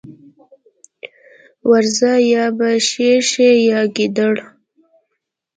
ورځه! يا به شېر شې يا ګيدړه.